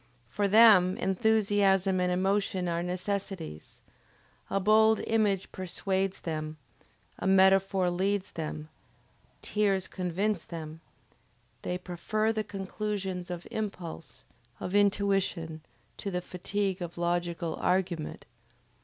For them enthusiasm and emotion are necessities. A bold image persuades them, a metaphor leads them, tears convince them, they prefer the conclusions of impulse, of intuition, to the fatigue of logical argument.